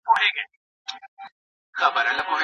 ښه خلک د نېکۍ په خپرولو کي ستړي کیږي نه.